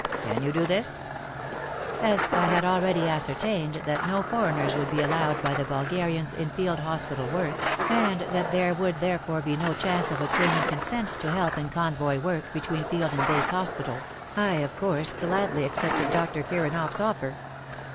Can you do this ?" As I had already ascertained that no foreigners would be allowed by the Bulgarians in /le/d hospital work, and that there would there fore be no chance of obtaining consent to help in convoy work between field and base hospital, I of course gladly accepted Dr. Kiranoffs offer.